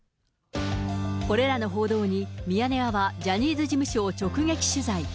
これらの報道に、ミヤネ屋はジャニーズ事務所を直撃取材。